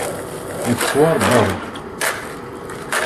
Nekk ttwaṛebbaɣ-d.